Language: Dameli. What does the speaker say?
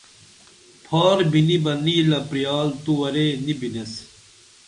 پھار بِنی بہ نلِیہ پریال تو ورے نی بِنیس